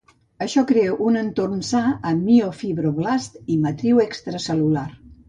Això crea un entorn sa amb miofibroblasts i matriu extracel·lular.